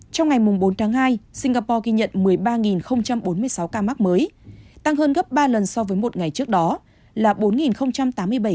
trong ngày bốn tháng hai singapore ghi nhận một mươi ba bốn mươi sáu ca mắc mới tăng hơn gấp ba lần so với một ngày trước đó là bốn tám mươi bảy ca